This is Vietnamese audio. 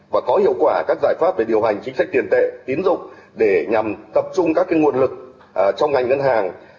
và có hiệu quả các giải pháp về điều hành chính sách tiền tệ tín dụng để nhằm tập trung các nguồn lực trong ngành ngân hàng